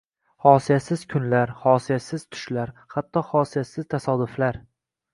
Xosiyatsiz kunlar, xosiyatsiz tushlar, hatto xosiyatsiz tasodiflar.